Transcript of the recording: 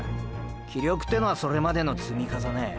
気力てのはそれまでの積み重ね――